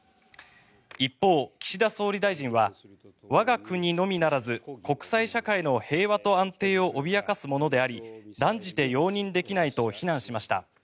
一方、岸田総理大臣は我が国のみならず国際社会の平和と安定を脅かすものであり断じて容認できないと非難しました。